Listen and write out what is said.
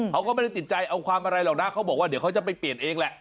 เขาก็ไม่ได้ติดใจเอาความอะไรหรอกนะเขาบอกว่าเดี๋ยวเขาจะไปเปลี่ยนเองแหละ